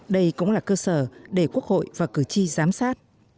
đây cũng là cơ sở để quốc hội và cử tri giám sát